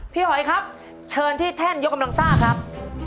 พี่หอยครับเชิญที่แท่นยกกำลังซ่าครับ